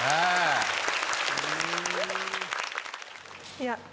いや。